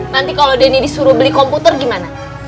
nanti kalau denny disuruh beli komputer gimana